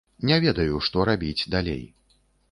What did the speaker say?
Не ведаю, што рабіць далей.